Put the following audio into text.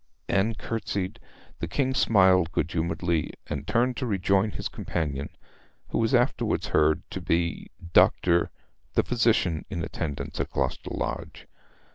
Anne curtseyed, the King smiled good humouredly, and turned to rejoin his companion, who was afterwards heard to be Dr. , the physician in attendance at Gloucester Lodge.